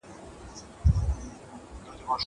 که وخت وي، سیر کوم.